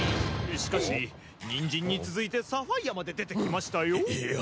しかしニンジンに続いてサファイアまで出てきましたよ。